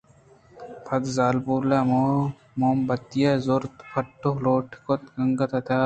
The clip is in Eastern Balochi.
پدا زالبول ءَ موم بتی ئے زُرت ءُپٹ ءُلوٹ کُت انگت ءَ تہاری اَت